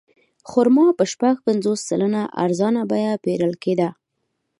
خرما په شپږ پنځوس سلنه ارزانه بیه پېرل کېده.